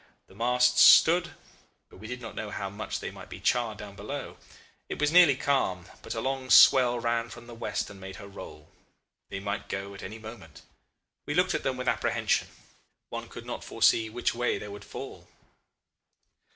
The masts stood, but we did not know how much they might be charred down below. It was nearly calm, but a long swell ran from the west and made her roll. They might go at any moment. We looked at them with apprehension. One could not foresee which way they would fall.